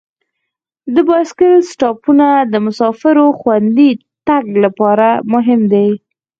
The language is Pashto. د بایسکل سټاپونه د مسافرو خوندي تګ لپاره مهم دي.